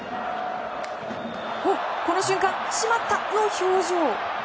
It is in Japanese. この瞬間、しまった！の表情。